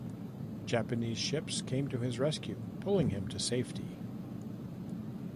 Japanese ships came to his rescue, pulling him to safety.